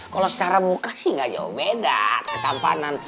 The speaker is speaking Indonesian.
kalau secara muka sih nggak jauh beda ketampanan